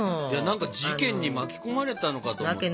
何か事件に巻き込まれたのかと思った。